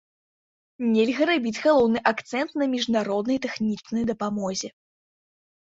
Нельга рабіць галоўны акцэнт на міжнароднай тэхнічнай дапамозе.